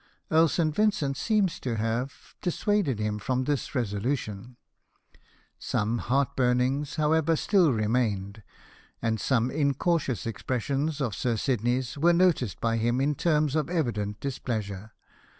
Earl St. Vincent seems to have dissuaded him from this resolution ; some heartburnings, how ever, still remained, and some incautious expressions of Sir Sidney's were noticed by him in terms of evident displeasure.